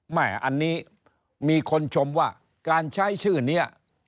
แม่อันนี้มีคนชมว่าการใช้ชื่อนี้